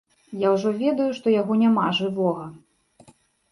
Я ўжо ведаю, што яго няма жывога.